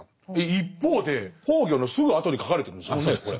一方で崩御のすぐあとに書かれてるんですもんねこれ。